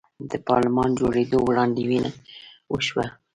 د پارلمان جوړیدل وړاندوینه وشوه.